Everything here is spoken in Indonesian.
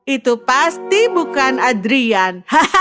itu pasti bukan adrian